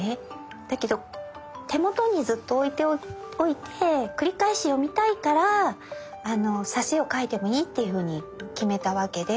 だけど手元にずっと置いておいて繰り返し読みたいから挿絵を描いてもいいっていうふうに決めたわけで。